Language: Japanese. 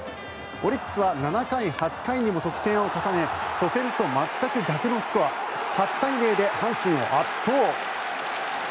オリックスは７回、８回にも得点を重ね初戦と全く逆のスコア８対０で阪神を圧倒。